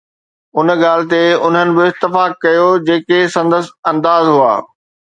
ان ڳالهه تي انهن به اتفاق ڪيو، جيڪي سندس انداز هئا